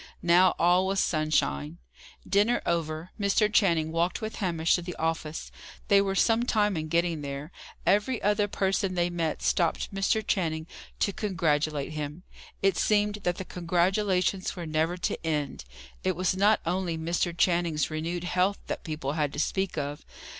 Now, all was sunshine. Dinner over, Mr. Channing walked with Hamish to the office. They were some time in getting there. Every other person they met, stopped Mr. Channing to congratulate him. It seemed that the congratulations were never to end. It was not only Mr. Channing's renewed health that people had to speak of.